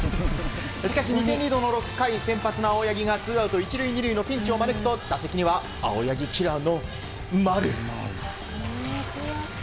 しかし２点リードの６回先発の青柳がツーアウト１塁２塁のピンチを招くと打席には青柳キラーの丸。